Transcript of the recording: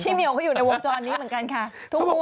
พี่เหนียวเขาอยู่ในวงจรนี้เหมือนกันทุกประมวล